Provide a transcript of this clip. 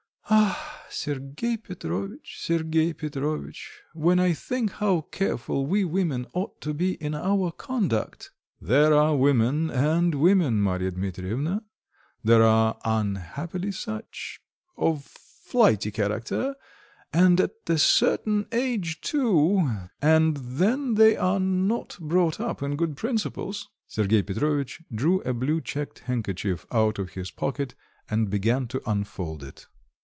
"Ah, Sergei Petrovitch, Sergei Petrovitch, when I think how careful we women ought to be in our conduct!" "There are women and women, Marya Dmitrievna. There are unhappily such ... of flighty character... and at a certain age too, and then they are not brought up in good principles." (Sergei Petrovitch drew a blue checked handkerchief out of his pocket and began to unfold it.)